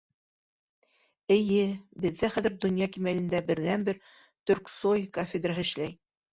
— Эйе, беҙҙә хәҙер донъя кимәлендә берҙән-бер ТӨРКСОЙ кафедраһы эшләй.